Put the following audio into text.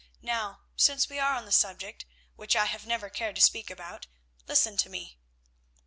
Now, since we are on the subject, which I have never cared to speak about, listen to me."